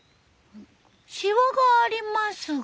シワがありますが。